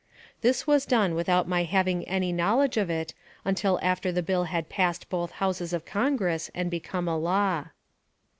This was done without my having any knowledge of it until after the bill had passed both houses of Congress and become a law.